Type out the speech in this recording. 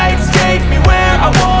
ibu ingin mencoba